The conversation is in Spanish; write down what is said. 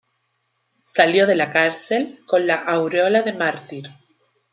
Salió de la cárcel con la aureola de "mártir".